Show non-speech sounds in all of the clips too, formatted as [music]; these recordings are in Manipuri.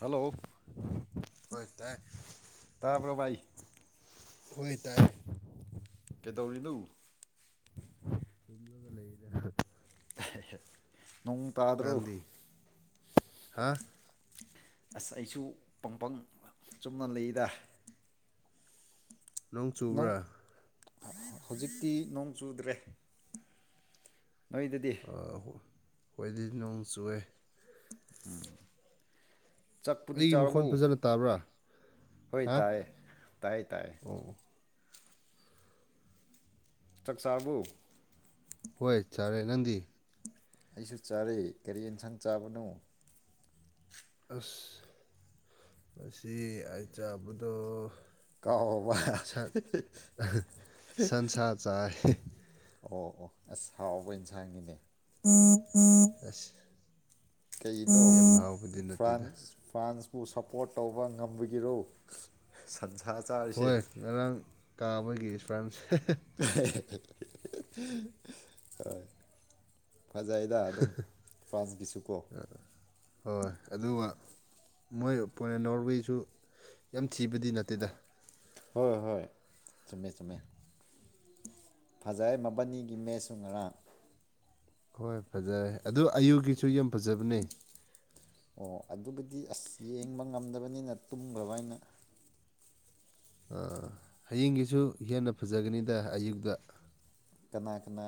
ꯍꯂꯣ ꯑꯣꯏ ꯇꯥꯥꯏꯑꯦ ꯚꯥꯏ ꯍꯣꯢ ꯇꯥꯏ [inaudible] ꯀꯩꯗꯧꯔꯤꯅꯣ [unintelligible] [inaudible] ꯅꯣꯡ ꯇꯥꯗ꯭ꯔꯣ ꯅꯪꯗꯤ ꯍꯥ [inaudible] ꯑꯁ ꯑꯩꯁꯨ ꯄꯪꯄꯪ ꯆꯨꯝꯅ ꯂꯩꯗ ꯅꯣꯡ ꯆꯨꯕ꯭ꯔ [inaudible] ꯍꯧꯖꯤꯛꯇꯤ ꯅꯣꯡ ꯆꯨꯗ꯭ꯔꯦ ꯅꯣꯏꯗꯗꯤ ꯑꯥ ꯈꯣꯏꯗꯤ ꯅꯣꯡ ꯆꯨꯑꯦ ꯎꯝ ꯆꯛꯄꯨꯗꯤ ꯑꯩꯒꯤ ꯆꯥꯔꯕꯣ ꯃꯈꯣꯟ ꯐꯖꯅ ꯇꯥꯕ꯭ꯔꯥ ꯍꯣꯏ ꯍꯥ ꯇꯥꯏꯌꯦ ꯇꯥꯏꯌꯦ ꯇꯥꯏ ꯑꯣ ꯆꯥꯛꯆꯥꯥꯕꯨ ꯍꯣꯏ ꯆꯔꯦ ꯅꯪꯗꯤ ꯑꯩꯁꯨ ꯆꯥꯔꯦ ꯀꯔꯤ ꯌꯦꯟꯁꯥꯡ ꯆꯥꯕꯅꯣ ꯑꯁ ꯉꯁꯤ ꯑꯩ ꯆꯥꯕꯗꯣ ꯀꯥꯎꯕ ꯁꯛ ꯁꯟꯁꯥ ꯆꯥꯏ ꯑꯣ ꯑꯣ ꯑꯁ ꯍꯥꯎꯕ ꯏꯟꯁꯥꯡꯅꯤꯅꯦ [inaudible] ꯑꯁ ꯀꯩꯅꯣ ꯌꯥꯝ ꯍꯥꯎꯕꯗꯤ ꯅꯠꯇꯦꯗ ꯐ꯭ꯔꯥꯟꯁ ꯐ꯭ꯔꯥꯟꯁ ꯎ ꯁꯞꯄꯣꯔꯠ ꯇꯧꯕ ꯉꯝꯕꯒꯤꯔꯣ ꯁꯟꯁ ꯍꯣꯏ ꯉꯔꯥꯡ ꯀꯥꯕꯒꯤ ꯐ꯭ꯔꯥꯟꯁ ꯍꯦ [inaudible] ꯍꯣꯏ ꯐꯖꯩꯗ ꯑꯗꯨꯝ ꯐ꯭ꯔꯥꯟꯁꯒꯤꯁꯨ ꯀꯣ ꯍꯣꯏ ꯑꯗꯨꯝꯃ ꯃꯣꯏ ꯄꯣꯏꯠ ꯅꯣꯔꯋꯦꯁꯨ ꯌꯥꯝ ꯊꯤꯕꯗꯤ ꯅꯠꯇꯦꯗ ꯍꯣꯏ ꯍꯣꯏ ꯆꯨꯝꯃꯦ ꯆꯨꯝꯃꯦ ꯐꯖꯩ ꯃꯕꯥꯅꯤꯒꯤ ꯃꯦꯠꯁꯨ ꯉꯔꯥꯡ ꯍꯣꯏ ꯐꯖꯔꯦ ꯑꯗꯨ ꯑꯌꯨꯒꯤꯁꯨ ꯌꯥꯝ ꯐꯖꯕꯅꯦ ꯑꯣ ꯑꯗꯨꯕꯨꯗꯤ ꯑꯁ ꯌꯦꯡꯕ ꯉꯝꯗꯕꯅꯤꯅ ꯇꯨꯝꯈ꯭ꯔꯕ ꯑꯩꯅ ꯑꯥ ꯍꯌꯦꯡꯒꯤꯁꯨ ꯍꯦꯟꯅ ꯐꯖꯒꯅꯤꯗ ꯑꯌꯨꯛꯗ ꯀꯅꯥ ꯀꯅꯥ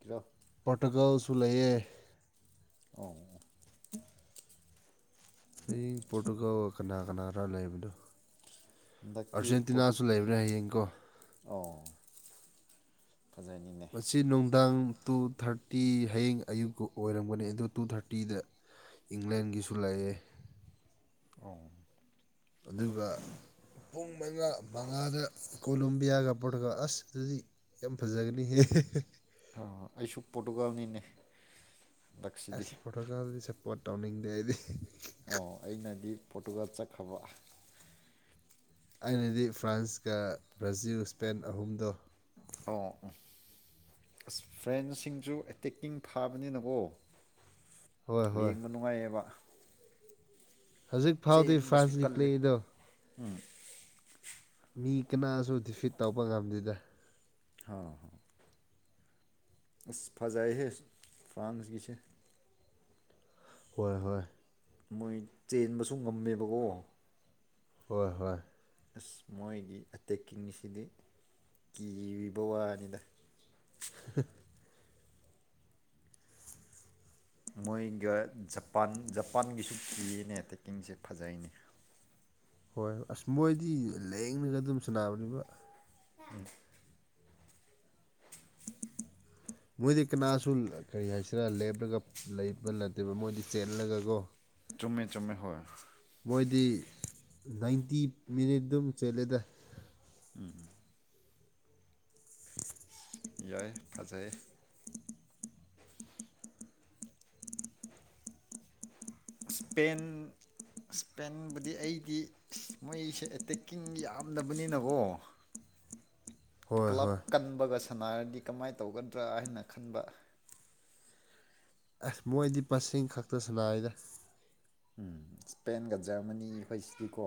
ꯒꯤꯔꯣ ꯄꯣꯔꯇꯨꯒꯜꯁꯨ ꯂꯩꯌꯦ ꯑꯣ [inaudible] ꯍꯌꯦꯡ ꯄꯣꯔꯇꯨꯒꯜꯒ ꯀꯅꯥ ꯀꯅꯥꯔ ꯂꯩꯕꯗꯣ ꯍꯟꯗꯛꯇꯤ ꯄꯣꯔꯇꯨꯛ ꯑꯔꯖꯦꯟꯇꯤꯅꯥꯁꯨ ꯂꯩꯕꯅꯦ ꯍꯌꯦꯡꯀꯣ ꯑꯣ ꯐꯖꯅꯤꯅꯦ ꯅꯪ ꯇꯨ ꯊꯥꯔꯇꯤ ꯍꯌꯦꯡ ꯑꯌꯨꯛꯀꯨ ꯑꯣꯏꯔꯝꯒꯅꯤ ꯑꯗꯨ ꯇꯨ ꯊꯥꯔꯇꯤꯗ ꯏꯪꯂꯦꯟꯒꯤꯁꯨ ꯂꯩꯑꯦ ꯑꯣ ꯑꯗꯨꯒ ꯄꯨꯡ ꯃꯉꯥ ꯃꯉꯥꯗ ꯀꯣꯂꯣꯕꯤꯌꯥꯒ ꯄꯣꯔꯇꯧꯒꯜ ꯑꯁ ꯑꯗꯨꯗꯤ ꯌꯥꯝ ꯐꯖꯒꯅꯤꯍꯦ ꯑꯩꯁꯨ ꯄꯣꯇꯣꯔꯒꯜꯅꯤꯅꯦ ꯑꯦꯁ ꯄꯣꯇꯣꯔꯒꯜꯗꯗꯤ ꯁꯄꯣꯔꯠ ꯇꯧꯅꯤꯡꯗꯦ ꯑꯩꯗꯤ ꯑꯣ ꯑꯩꯅꯗꯤ ꯄꯣꯔꯇꯨꯒꯥꯜ ꯆꯠꯈ꯭ꯔꯕ ꯑꯩꯅꯗꯤ ꯐ꯭ꯔꯥꯟꯁꯀ ꯕ꯭ꯔꯥꯖꯤꯜ ꯁꯄꯦꯟ ꯑꯍꯨꯝꯗꯣ ꯑꯣ ꯑꯁ ꯐ꯭ꯔꯦꯟꯁꯤꯡꯁꯨ ꯑꯦꯇꯦꯛꯀꯤꯡ ꯐꯥꯕꯅꯤꯅꯀꯣ ꯍꯣꯏ ꯍꯣꯏ ꯌꯦꯡꯕ ꯅꯨꯡꯉꯥꯏꯌꯦꯕ ꯍꯧꯖꯤꯛ ꯐꯥꯎꯗꯤ ꯐ꯭ꯔꯥꯟꯁꯀꯤ ꯄ꯭ꯂꯦꯗꯣ ꯎꯝ ꯃꯤ ꯀꯅꯥꯁꯨ ꯗꯤꯐꯤꯠ ꯇꯧꯕ ꯉꯝꯗꯦꯗ ꯍꯥ ꯑꯁ ꯐꯖꯩꯍꯦ ꯐ꯭ꯔꯥꯟꯁꯀꯤꯁꯦ ꯍꯣꯏ ꯍꯣꯏ ꯃꯣꯏ ꯆꯦꯟꯕꯁꯨ ꯉꯝꯃꯦꯕꯀꯣ ꯍꯣꯏ ꯍꯣꯏ ꯑꯁ ꯃꯣꯏꯒꯤ ꯑꯇꯦꯛꯀꯤꯡꯁꯤꯗꯤ ꯀꯤꯔꯤꯕ ꯋꯥꯅꯤꯗ [unintelligible] ꯃꯣꯏꯒ ꯖꯄꯥꯟ ꯖꯄꯥꯟꯒꯤꯁꯨ ꯀꯤꯌꯦꯅꯦ ꯇꯦꯛꯀꯤꯡꯁꯦ ꯐꯖꯩꯅꯦ ꯍꯣꯏ ꯑꯁ ꯃꯣꯏꯗꯤ ꯂꯦꯡꯂꯒ ꯑꯗꯨꯝ ꯁꯥꯟꯅꯕꯅꯦꯕ ꯎꯝ [inaudible] ꯃꯣꯏꯗꯤ ꯀꯅꯥꯁꯨ ꯀꯔꯤ ꯍꯥꯏꯁꯤꯔꯥ ꯂꯦꯞꯂꯒ ꯂꯩꯕ ꯅꯠꯇꯦꯕ ꯃꯣꯏꯗꯤ ꯆꯦꯜꯂꯒꯀꯣ ꯆꯨꯝꯃꯦ ꯆꯨꯝꯃꯦ ꯍꯣꯏ ꯃꯣꯏꯗꯤ ꯅꯥꯏꯟꯇꯤ ꯃꯤꯅꯤꯠ ꯗꯨꯝ ꯆꯦꯜꯂꯦꯗ ꯌꯥꯏ ꯐꯖꯩ ꯏꯁꯄꯦꯟ ꯏꯁꯄꯦꯟꯕꯨꯗꯤ ꯑꯩꯗꯤ ꯃꯣꯏꯁꯦ ꯑꯦꯇꯦꯛꯀꯤꯡ ꯌꯥꯝꯗꯕꯅꯤꯅꯀꯣ ꯍꯣꯏ ꯀ꯭ꯂꯕ ꯍꯣꯏ ꯀꯟꯕꯒ ꯁꯥꯟꯅꯔꯗꯤ ꯀꯃꯥꯏꯅ ꯇꯧꯒꯗ꯭ꯔꯥ ꯍꯥꯏꯅ ꯈꯟꯕ ꯑꯁ ꯃꯣꯏꯗꯤ ꯄꯁꯤꯡ ꯈꯛꯇ ꯁꯅꯥꯏꯗ ꯎꯝ ꯏꯁꯄꯦꯟꯒ ꯖꯔꯃꯅꯤ ꯈꯣꯏꯁꯤꯗꯤꯀꯣ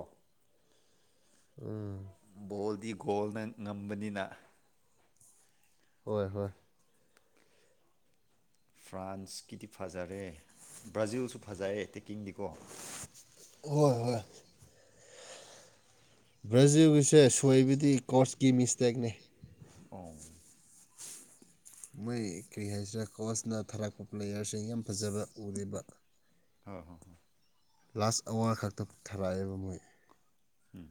ꯎꯝ ꯕꯣꯜꯗꯤ ꯒꯣꯜꯅ ꯉꯝꯕꯅꯤꯅ ꯍꯣꯏ ꯍꯣꯏ ꯐ꯭ꯔꯥꯟꯁꯀꯤꯗꯤ ꯐꯖꯔꯦ ꯕ꯭ꯔꯥꯖꯤꯜꯁꯨ ꯐꯖꯩ ꯇꯦꯛꯀꯤꯡꯗꯤꯀꯣ ꯍꯣꯏ ꯍꯣꯏ ꯕ꯭ꯔꯖꯤꯜꯒꯤꯁꯦ ꯁꯣꯏꯕꯗꯤ ꯀꯣꯔꯁꯀꯤ ꯃꯤꯁꯇꯦꯛꯅꯤ ꯑꯣ ꯃꯣꯏ ꯀꯩ ꯍꯥꯏꯁꯤꯔꯥ ꯀꯣꯔꯁꯅ ꯊꯥꯔꯛꯄ ꯄ꯭ꯂꯦꯌꯔꯁꯤꯡ ꯌꯥꯝ ꯐꯖꯕ ꯎꯔꯤꯕ ꯍ ꯍꯣ ꯍꯣꯏ ꯂꯥꯁ ꯑꯥꯋꯔ ꯈꯛꯇ ꯊꯥꯔꯛꯑꯦꯕ ꯃꯣꯏ ꯎꯝ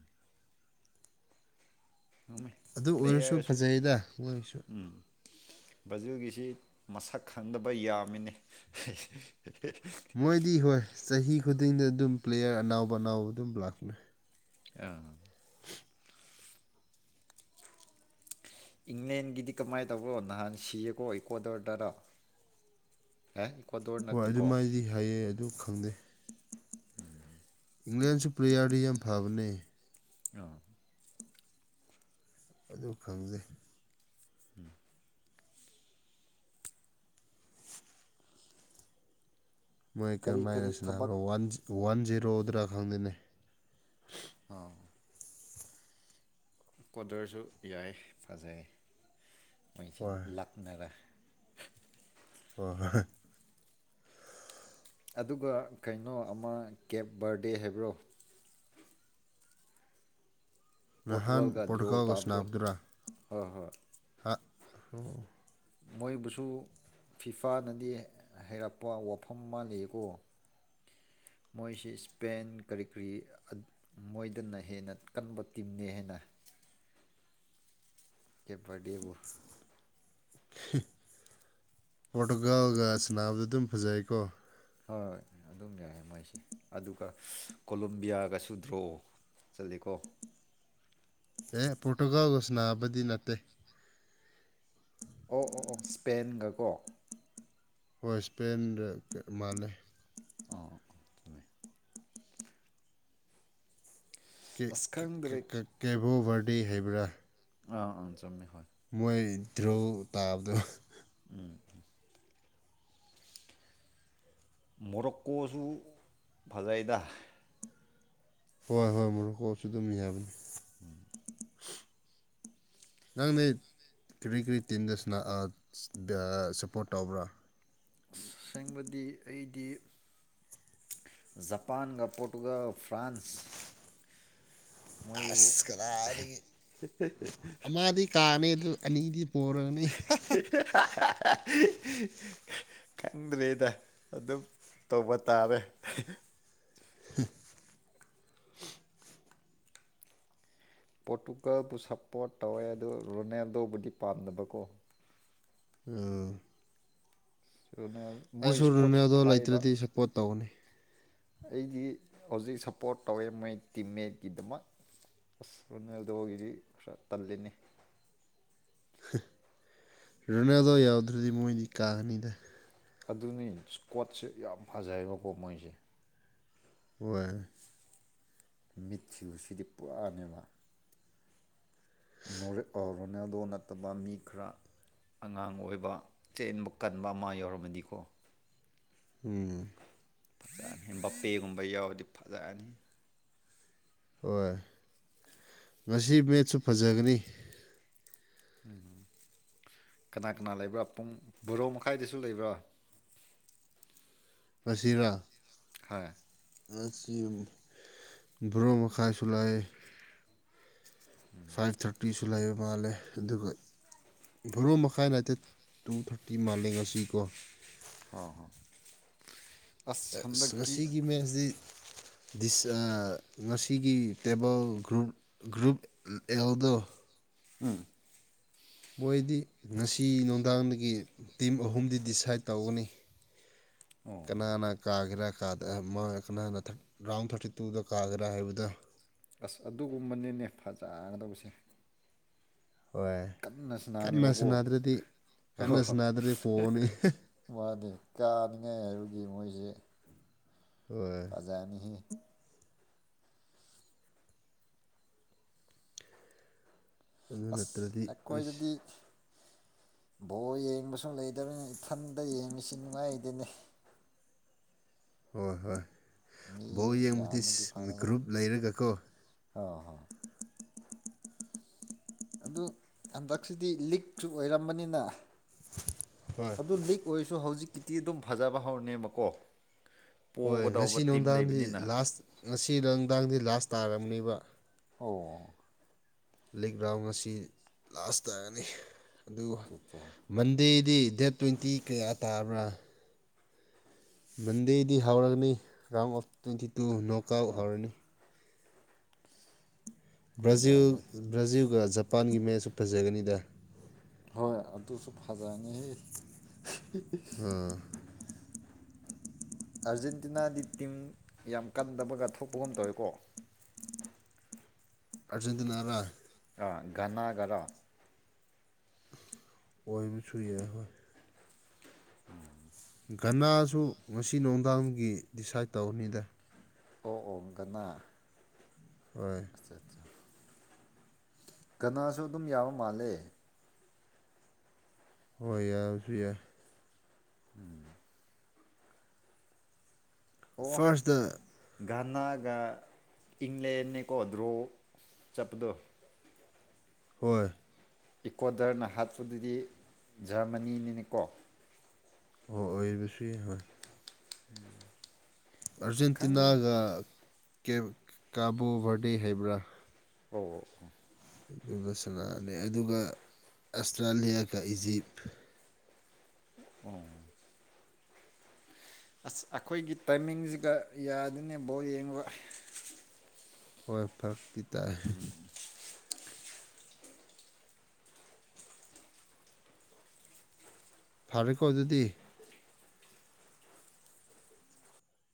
ꯑꯗꯨ ꯑꯣꯏꯔꯁꯨ ꯄ꯭ꯂꯦꯌꯔꯁꯨ ꯐꯖꯩꯗ ꯃꯣꯏꯒꯤꯁꯨ ꯕ꯭ꯔꯖꯤꯜꯒꯤꯁꯤ ꯃꯁꯛ ꯈꯪꯗꯕ ꯌꯥꯝꯃꯤꯅꯦ ꯃꯣꯏꯗꯤ ꯍꯣꯏ ꯆꯍꯤ ꯈꯨꯗꯤꯡꯗ ꯑꯗꯨꯝ ꯄ꯭ꯂꯦꯌꯔ ꯑꯅꯥꯎ ꯑꯅꯥꯎꯕ ꯑꯗꯨꯝ ꯂꯥꯛꯄꯅꯦ ꯑꯥ ꯏꯪꯂꯦꯟꯒꯤꯗꯤ ꯀꯃꯥꯏꯅ ꯇꯧꯕꯔꯣ ꯅꯍꯥꯟ ꯁꯤꯌꯦꯀꯣ ꯏꯀꯣꯗꯔꯗꯔꯥ ꯍꯣꯏ ꯑꯗꯨꯃꯥꯏꯗꯤ ꯍꯥꯏꯌꯦ ꯑꯗꯨ ꯈꯪꯗꯦ [inaudible] ꯏꯪꯂꯦꯟꯁꯨ ꯄ꯭ꯔꯦꯌꯔꯗꯤ ꯌꯥꯝ ꯐꯕꯅꯦ ꯑꯥ ꯑꯗꯨ ꯈꯪꯗꯦ ꯎꯝ ꯃꯣꯏ ꯀꯔꯤ ꯀꯔꯝꯃꯥꯏꯅ ꯀꯔꯤ ꯊꯕꯛ ꯁꯤꯅꯕ꯭ꯔ ꯋꯥꯟ ꯋꯥꯟ ꯖꯤꯔꯣꯗ꯭ꯔ ꯈꯪꯗꯦꯅꯦ ꯑꯥ ꯀ꯭ꯋꯥꯗꯔꯁꯨ ꯌꯥꯏ ꯐꯖꯩ ꯃꯣꯏꯁꯦ ꯍꯣꯏ ꯂꯛꯅꯔꯥ [inaudible] ꯍꯣꯏ ꯍꯣꯏ ꯑꯗꯨꯒ ꯀꯩꯅꯣ ꯑꯃ ꯀꯦꯞ ꯕꯔꯗꯦ ꯍꯥꯏꯕ꯭ꯔꯣ ꯅꯍꯥꯟ ꯄꯣꯔꯇꯨꯒꯥꯜꯒ ꯗ꯭ꯔꯣ ꯄꯣꯔꯇꯨꯒꯜꯒ ꯇꯥꯕꯗꯣ ꯁꯥꯟꯅꯕꯗꯨꯔꯥ ꯍꯣꯏ ꯍꯣꯏ ꯍ ꯑꯣ ꯃꯣꯏꯕꯨꯁꯨꯨ ꯐꯤꯐꯥꯅꯗꯤ ꯍꯩꯔꯛꯄ ꯋꯥꯐꯝ ꯑꯃ ꯂꯩꯌꯦꯀꯣ ꯃꯣꯏꯁꯤ ꯁ꯭ꯄꯦꯟ ꯀꯔꯤ ꯀꯔꯤ ꯃꯣꯏꯗꯅ ꯍꯦꯟꯅ ꯀꯟꯕ ꯇꯤꯝꯅꯦ ꯍꯩꯅ [inaudible] ꯕꯔꯗꯦꯕꯨ [inaudible] ꯄꯣꯔꯇꯨꯒꯜꯒ ꯁꯥꯟꯅꯕꯗꯨ ꯑꯗꯨꯝ ꯐꯖꯩꯀꯣ ꯍꯣꯏ ꯑꯗꯨꯝ ꯌꯥꯏꯌꯦ ꯃꯥꯏꯁꯦ ꯑꯗꯨꯒ ꯀꯣꯂꯣꯕꯤꯌꯥꯒꯁꯨꯨ ꯗ꯭ꯔꯣ ꯆꯠꯂꯦꯀꯣ [inaudible] ꯑꯦ ꯄ꯭ꯔꯣꯇꯣꯒꯜꯒ ꯁꯅꯥꯕꯗꯤ ꯅꯠꯇꯦ ꯑꯣ ꯑꯣ ꯑꯣ ꯁ꯭ꯄꯦꯟꯒꯀꯣ ꯍꯣꯏ ꯁ꯭ꯄꯦꯟꯔ ꯃꯥꯜꯂꯦ ꯑꯥ ꯊꯃꯦ ꯑꯁ ꯀꯦꯀꯦ ꯈꯪꯗ꯭ꯔꯦ ꯀꯦ ꯀꯦ ꯕꯣꯚꯔꯗꯦ ꯍꯩꯕ꯭ꯔ ꯑꯥ ꯑꯥ ꯆꯨꯝꯃꯦ ꯍꯣꯏ ꯃꯣꯏ ꯗ꯭ꯔꯣ ꯇꯥꯕꯗꯣ ꯃꯣꯔꯣꯛꯀꯣꯁꯨ ꯐꯖꯩꯗ ꯍꯣꯏ ꯍꯣꯏ ꯃꯨꯔꯣꯀꯣꯁꯨ ꯑꯗꯨꯝ ꯌꯥꯕꯅꯦ [inaudible] ꯅꯪꯗꯤ ꯀ꯭ꯔꯤ ꯀꯔꯤ ꯇꯤꯝꯗ ꯁꯥꯅ ꯑꯥ ꯗ ꯁꯞꯄꯣꯔꯠ ꯇꯧꯕ꯭ꯔꯥ ꯑꯁꯦꯡꯕꯗꯤ ꯑꯩꯗꯤ ꯖꯄꯥꯟꯒ ꯄꯣꯔꯇꯨꯒꯜ ꯐ꯭ꯔꯥꯟꯁ ꯃꯣꯏꯕꯨ ꯑꯁ ꯀꯗꯥꯏꯗꯒꯤ ꯑꯃꯥꯗꯤ ꯀꯥꯅꯤ ꯑꯗꯨ ꯑꯅꯤꯗꯤ ꯄꯣꯔꯅꯤ ꯈꯟꯗ꯭ꯔꯦꯗ ꯑꯗꯨꯝ ꯇꯧꯕ ꯇꯥꯔꯦ [unintelligible] ꯄꯣꯔꯇꯨꯒꯜꯕꯨ ꯁꯞꯄꯣꯔꯠ ꯇꯧꯋꯦ ꯑꯗꯨ ꯔꯣꯅꯦꯜꯗꯣꯕꯨꯗꯤ ꯄꯥꯝꯗꯕꯀꯣ ꯑꯝ ꯔꯣꯅꯦꯜ ꯃꯣꯏ ꯑꯩꯁꯨ ꯏꯁꯀꯣꯠꯁꯨ ꯔꯨꯅꯦꯜꯗꯣ ꯐꯥꯏꯕ ꯂꯩꯇ꯭ꯔꯗꯤ ꯁꯦꯄꯣꯔꯠ ꯇꯧꯅꯤ ꯑꯩꯗꯤ ꯍꯧꯖꯤꯛ ꯁꯞꯄꯣꯔꯠ ꯇꯧꯋꯦ ꯃꯣꯏ ꯇꯤꯝꯃꯦꯠꯀꯤꯗꯃꯛ ꯑꯁ ꯔꯨꯅꯦꯜꯗꯣꯒꯤꯗꯤ ꯈꯔ ꯇꯜꯂꯤꯅꯦ ꯔꯨꯅꯥꯜꯗꯣ ꯌꯥꯎꯗ꯭ꯔꯗꯤ ꯃꯣꯏꯗꯤ ꯀꯥꯒꯅꯤꯗ ꯑꯗꯨꯅꯤ ꯏꯁꯀ꯭ꯋꯥꯠꯁꯦ ꯌꯥꯝ ꯐꯖꯩꯑꯌꯦꯕꯀꯣ ꯃꯣꯏꯁꯦ ꯑꯣꯏ ꯃꯤꯠꯁꯤꯁꯤꯗꯤ ꯄꯨꯔꯥꯅꯦꯕ ꯔꯣꯅꯥꯜꯗꯣ ꯅꯠꯇꯕ ꯃꯤ ꯈꯔ ꯑꯉꯥꯡ ꯑꯣꯏꯕ ꯆꯦꯟꯕ ꯀꯟꯕ ꯑꯃ ꯌꯥꯎꯔꯝꯃꯗꯤꯀꯣ ꯎꯝ ꯐꯖꯅꯤ ꯕꯄꯦꯒꯨꯝꯕ ꯌꯥꯎꯗꯤ ꯐꯖꯅꯤ ꯍꯣꯏ ꯉꯁꯤ ꯃꯦꯠꯁꯨ ꯐꯖꯒꯅꯤ ꯎꯝ ꯀꯅꯥ ꯀꯅꯥ ꯂꯩꯕ꯭ꯔꯥ ꯄꯨꯡ ꯕꯣꯔꯣ ꯃꯈꯥꯏꯗꯁꯨ ꯂꯩꯕ꯭ꯔꯥ ꯉꯁꯤꯔꯥ ꯍꯥꯏ ꯑꯁꯤ ꯑꯃ ꯕ꯭ꯔꯣ ꯃꯈꯥꯏꯁꯨ ꯂꯩ ꯐꯥꯏꯚ ꯊꯥꯔꯇꯤꯁꯨ ꯂꯩꯕ ꯃꯥꯜꯂꯦ ꯑꯗꯨꯒ ꯚꯣꯔꯣ ꯃꯈꯥꯏ ꯅꯥꯇꯦꯠ ꯇꯨ ꯊꯥꯔꯇꯤ ꯃꯥꯜꯂꯦ ꯉꯁꯤ ꯀꯣ ꯍꯥ ꯍꯥ ꯑꯥ ꯉꯁꯤꯒꯤ ꯃꯦꯁꯗꯤ ꯊꯤꯁ ꯑꯥ ꯉꯁꯤꯒꯤ ꯇꯦꯕꯜ ꯒ꯭ꯔꯨꯞ ꯒ꯭ꯔꯨꯞ ꯑꯦꯜꯗꯣ ꯎꯝ ꯃꯣꯏꯗꯤ ꯉꯁꯤ ꯅꯨꯡꯗꯥꯡꯗꯒꯤ ꯇꯤꯝ ꯑꯍꯨꯝꯗꯤ ꯗꯤꯁꯥꯏꯠ ꯇꯧꯒꯅꯤ [inaudible] ꯀꯅꯥꯅꯥ ꯀꯥꯒꯦꯔ ꯗ ꯃꯥ ꯀꯅꯥꯅ ꯔꯥꯎꯟ ꯊꯥꯔꯇꯤ ꯇꯨꯗ ꯀꯥꯒꯦꯔꯥ ꯍꯥꯏꯕꯗꯨ ꯑꯁ ꯑꯗꯨꯒꯨꯝꯕꯅꯤꯅꯦ ꯐꯖꯒꯗꯕꯁꯦ ꯍꯣꯏ ꯀꯟꯅ ꯀꯟꯅ ꯁꯥꯅꯥꯅꯦꯕꯀꯣ ꯁꯥꯟꯅꯗ꯭ꯔꯗꯤ ꯍꯣꯏ ꯍꯣꯏ ꯀꯟꯅ ꯁꯥꯟꯅꯗ꯭ꯔꯗꯤ ꯍꯦ ꯍꯦ ꯄꯣꯅꯤ ꯍꯦ ꯃꯥꯅꯤ ꯀꯥꯅꯤꯡꯉꯥꯏ ꯍꯥꯏꯕꯒꯤ ꯃꯣꯏꯁꯦ ꯍꯣꯏ ꯐꯖꯅꯤꯍꯦ ꯑꯗꯨ ꯅꯠꯇ꯭ꯔꯗꯤ ꯑꯁ ꯑꯩꯁ ꯑꯩꯈꯣꯏꯗꯗꯤ ꯕꯣꯜ ꯌꯦꯡꯕꯁꯨ ꯂꯩꯇꯕꯅꯤꯅ ꯏꯊꯟꯇ ꯌꯦꯡꯉꯤꯁꯤ ꯅꯨꯡꯉꯥꯏꯗꯦꯅꯦ ꯍꯣꯏ ꯍꯣꯏ ꯃꯤ ꯕꯣꯜ ꯌꯦꯡꯕꯗꯤ ꯌꯥꯝꯃꯗꯤ ꯐꯅꯕ ꯒ꯭ꯔꯨꯞ ꯂꯩꯔꯒꯀꯣ ꯑꯣ ꯍꯣ ꯑꯗꯨ ꯍꯟꯗꯛꯁꯤꯗꯤ ꯂꯤꯛꯁꯨ ꯑꯣꯏꯔꯝꯕꯅꯤꯅ ꯍꯣꯏ ꯑꯗꯨ ꯂꯤꯛ ꯑꯣꯏꯔꯁꯨ ꯍꯧꯖꯤꯛꯀꯤꯗꯤ ꯑꯗꯨꯝ ꯐꯖꯕ ꯍꯧꯔꯅꯦꯕꯀꯣ ꯍꯣꯏ ꯉꯁꯤ ꯄꯣꯒꯗꯧꯕ ꯇꯤꯝ ꯅꯨꯡꯗꯥꯡꯗꯤ ꯂꯩꯕꯅꯤꯅ ꯂꯥꯁ ꯉꯁꯤ ꯅꯨꯡꯗꯥꯡꯗꯤ ꯂꯥꯁ ꯇꯥꯔꯝꯅꯤꯕ ꯑꯣ ꯂꯤꯛ ꯔꯒ꯭ꯔꯥꯎꯟ ꯑꯁꯤ ꯂꯥꯁ ꯇꯥꫪꯅꯤ ꯑꯗꯨ ꯑꯆꯥ ꯃꯟꯗꯦꯗꯤ ꯗꯦꯠ ꯇ꯭ꯋꯦꯟꯇꯤ ꯀꯌꯥ ꯇꯥꯕ꯭ꯔꯥ ꯃꯟꯗꯦꯗꯤ ꯍꯧꯔꯅꯤ round of twenty two knockout ꯑꯣ ꯍꯧꯔꯅꯤ ꯕ꯭ꯔꯖꯤꯜ ꯐꯖꯔꯅꯤ ꯕ꯭ꯔꯖꯤꯜꯒ ꯖꯄꯥꯟꯒꯤ ꯃꯦꯠꯆꯁꯨ ꯐꯖꯒꯅꯤꯗ ꯍꯣꯏ ꯑꯗꯨꯁꯨ ꯐꯖꯅꯤ ꯍꯦ ꯎꯝ ꯑꯥꯔꯖꯦꯟꯇꯤꯅꯥꯗꯤ ꯇꯤꯝ ꯌꯥꯝ ꯀꯟꯗꯕꯒ ꯊꯣꯛꯄꯒꯨꯝ ꯇꯧꯋꯦꯀꯣ [inaudible] ꯑꯔꯖꯦꯟꯇꯤꯅ ꯔꯥ ꯓꯅꯥꯒꯔꯥ ꯑꯣꯏꯕꯁꯨ ꯌꯥꯏ ꯍꯣꯏ ꯓꯅꯥꯁꯨ ꯉꯁꯤ ꯅꯨꯡꯗꯥꯡꯒꯤ ꯗꯤꯁꯥꯏꯠ ꯇꯧꯒꯅꯤꯗ ꯑꯣ ꯑꯣ ꯒꯅ ꯍꯣꯏ ꯓꯅꯥꯁꯨ ꯑꯗꯨꯝ ꯌꯥꯕ ꯃꯥꯜꯂꯦ ꯍꯣꯏ ꯌꯥꯕꯁꯨ ꯌꯥꯏ [inaudible] ꯐꯥꯔꯁꯗ ꯓꯅꯥꯒ ꯏꯪꯂꯦꯟꯅꯦꯀꯣ ꯗ꯭ꯔꯣ ꯆꯠꯄꯗꯣ ꯍꯣꯏ ꯏꯀꯣꯗꯔꯅ ꯍꯥꯠꯄꯗꯨꯗꯤ ꯖꯔꯃꯅꯤꯅꯤꯅꯦꯀꯣ ꯑꯣ ꯑꯣꯏꯕꯁꯨ ꯌꯥꯏ ꯍꯣꯏ [inaudible] ꯈꯪꯉꯤ ꯑꯥꯔꯖꯦꯟꯇꯤꯅꯒ ꯀꯦ ꯀꯥꯕꯣꯚꯔꯗꯤ ꯍꯩꯕ꯭ꯔ ꯑꯣ ꯑꯣ ꯑꯗꯨꯅ ꯁꯅꯥꯅꯤ ꯑꯗꯨꯒ ꯑꯁꯇ꯭ꯔꯦꯂꯤꯌꯥꯒ ꯏꯖꯤꯞ ꯎꯝ ꯑꯁ ꯑꯩꯈꯣꯏꯒꯤ ꯇꯥꯏꯃꯤꯡꯁꯤꯒ ꯌꯥꯗꯅꯦ ꯕꯣꯜ ꯌꯦꯡꯕ ꯍꯣꯏ ꯐꯔꯛꯇꯤ ꯇꯥꯏ ꯐꯔꯦꯀꯣ ꯑꯗꯨꯗꯤ